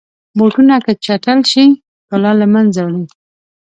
بوټونه که چټل شي، ښکلا له منځه وړي.